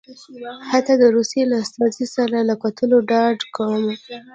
حتی د روس له استازي سره له کتلو ډډه کوله.